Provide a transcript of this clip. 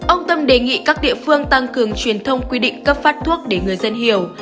ông tâm đề nghị các địa phương tăng cường truyền thông quy định cấp phát thuốc để người dân hiểu